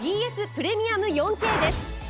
プレミアム４Ｋです。